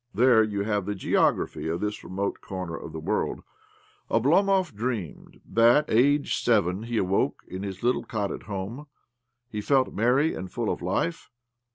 There you have the geography of this remote corner of the world. Oblomov dreamed that, aged seven, he 88 OBLOMOV awoke in his little cot at home. He felt merry and full of life.